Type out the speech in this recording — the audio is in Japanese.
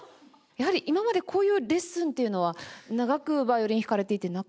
やはり今までこういうレッスンっていうのは長くヴァイオリン弾かれていてなかったんですか？